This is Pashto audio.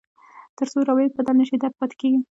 تر څو روایت بدل نه شي، درد پاتې کېږي.